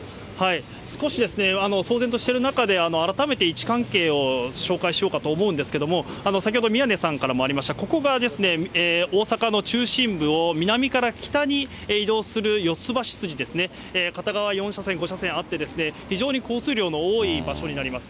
少し騒然としてる中で、改めて位置関係を紹介しようかと思うんですけど、先ほど宮根さんからもありました、ここが大阪の中心部を南から北に移動する四ツ橋筋ですね、片側４車線、５車線あってですね、非常に交通量の多い場所になります。